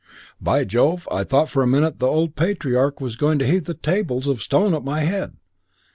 "By Jove, I thought for a minute the old patriarch was going to heave the tables of stone at my head.